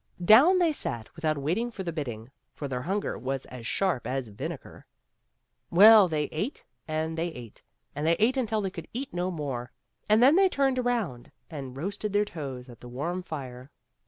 Down they sat without waiting for the bidding, for their hunger was as sharp as vinegar. Well, they ate and they ate and they ate until they could eat no more, and then they turned around and roasted their toes at the warm fire.